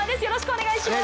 お願いします。